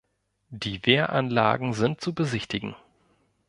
Die Wehranlagen sind zu besichtigen.